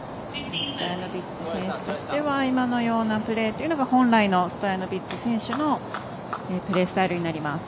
ストヤノビッチ選手としては今のようなプレーというのが本来のストヤノビッチ選手のプレースタイルになります。